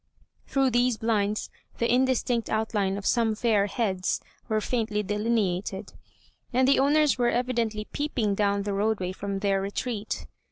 Through these blinds the indistinct outline of some fair heads were faintly delineated, and the owners were evidently peeping down the roadway from their retreat.